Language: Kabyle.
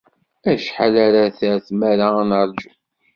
Acḥal ara aɣ-terr tmara ad neṛju?